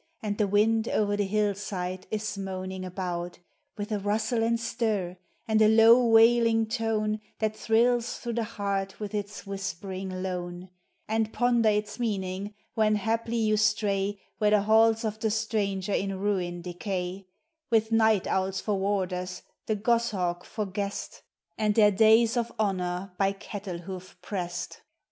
And the wind o'er the hill side is moaning about, With a rustle and stir, and a low wailing tone That thrills through the heart with its whispering lone; And ponder its meaning, when haply you stray Where the halls of the stranger in ruin decay; With night owls for warders, the goshawk for guest, And their dais of honor by cattle hoof pressed.